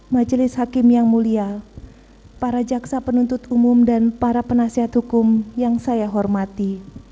majelis hakim yang mulia para jaksa penuntut umum dan para penasihat hukum yang saya hormati